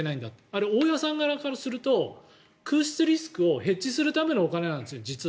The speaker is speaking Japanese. あれ、大家さん側からすると空室リスクをヘッジするためのお金なんですよ。